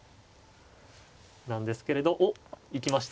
なんですけれどおっ行きました。